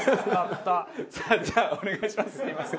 さあじゃあお願いします。